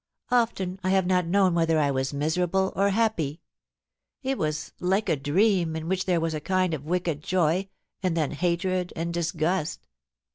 ' Often I have not known whether I was miserable or happy. It was like a dream In which there was a kind of wicked joy and then hatred and disgusL